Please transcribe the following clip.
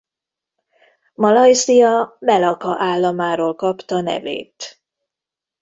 Malajzia Melaka államáról kapta nevét.